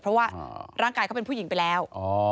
เพราะว่าร่างกายเขาเป็นผู้หญิงไปแล้ว